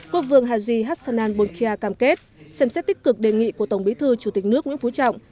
quốc vương haji hassanan bolkia cam kết xem xét tích cực đề nghị của tổng bí thư chủ tịch nước nguyễn phú trọng